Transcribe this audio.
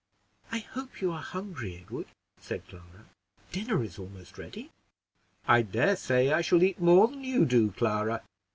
"I hope you are hungry, Edward," said Clara; "dinner is almost ready." "I dare say I shall eat more than you do, Clara."